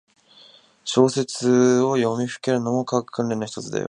小説を読みふけるのも、書く訓練のひとつだよ。